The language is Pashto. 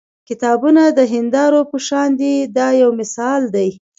کتابونه د هیندارو په شان دي دا یو مثال دی.